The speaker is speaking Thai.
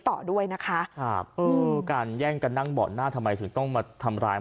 ต่อด้วยนะคะครับอืมการแย่งกันนั่งเบาะหน้าทำไมถึงต้องมาทำร้าย